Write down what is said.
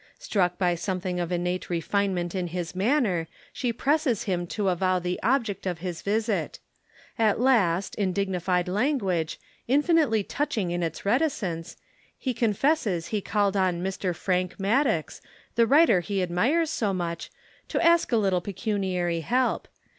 Struck by something of innate refinement in his manner, she presses him to avow the object of his visit. At last, in dignified language, infinitely touching in its reticence, he confesses he called on Mr. Frank Maddox, the writer he admires so much, to ask a little pecuniary help.